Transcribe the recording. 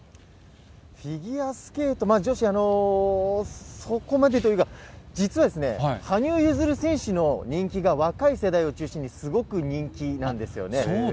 フィギュアスケート、そこまでというか、実は、羽生結弦選手の人気が若い世代を中心にすごく人気なんですよね。